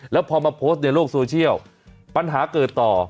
แล้วพอมาโพสต์ในโลกโซเชียลปัญหาเกิดต่อ